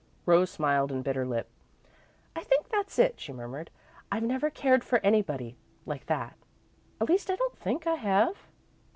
Rose smiled and bit her lip. "I think that's it," she murmured. "I've never cared for anybody like that. At least, I don't think I have."